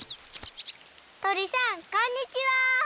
とりさんこんにちは！